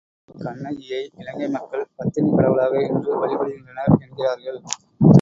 இன்னும் கண்ணகியை இலங்கை மக்கள் பத்தினிக் கடவுளாக இன்று வழிபடுகின்றனர் என்கிறார்கள்.